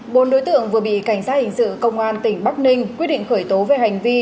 bốn đối tượng vừa bị cảnh sát hình sự công an tỉnh bắc ninh quyết định khởi tố về hành vi